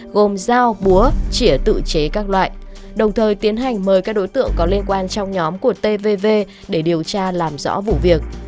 gồm dao búa chỉa tự chế các loại đồng thời tiến hành mời các đối tượng có liên quan trong nhóm của tvv để điều tra làm rõ vụ việc